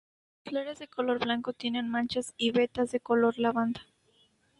Las flores de color blanco tienen manchas y vetas de color lavanda.